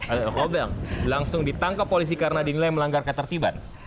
alain robert langsung ditangkap polisi karena dinilai melanggar ketertiban